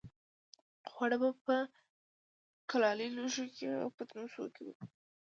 خواړه به په کلالي لوښو او پتنوسونو کې وو.